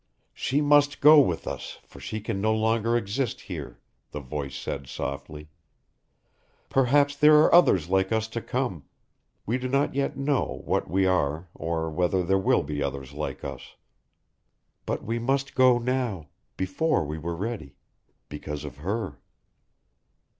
"She must go with us for she can no longer exist here," the voice said softly. "Perhaps there are others like us to come we do not yet know what we are or whether there will be others like us. But we must go now, before we were ready, because of her."